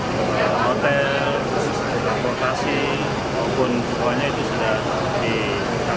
kemudian hotel transportasi maupun semuanya itu sudah dibuka